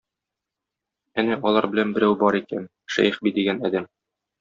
Янә алар белән берәү бар икән, Шәехби дигән адәм.